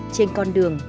trên con đường